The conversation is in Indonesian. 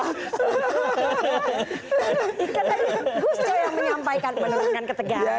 gusto yang menyampaikan menurunkan ketegangan